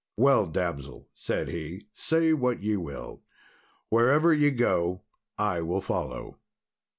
"Well damsel," said he, "say what ye will, wherever ye go I will follow."